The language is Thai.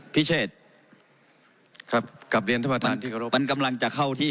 พิเศษครับกลับเรียนท่านประธานที่เคารพมันกำลังจะเข้าที่